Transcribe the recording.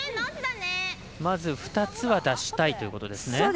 まず２つは出したいということですね。